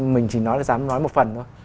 mình chỉ nói là dám nói một phần thôi